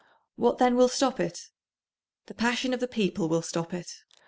What then will stop it? The passion of the people will stop it.